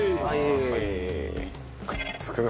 くっつくね。